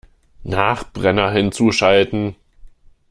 Nachbrenner hinzuschalten!